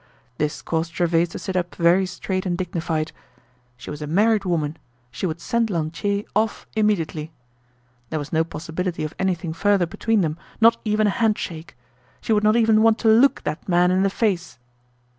This caused Gervaise to sit up very straight and dignified. She was a married woman; she would send Lantier off immediately. There was no possibility of anything further between them, not even a handshake. She would not even want to look that man in the face.